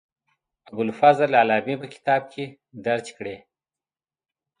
ابوالفضل علامي په کتاب کې درج کړې.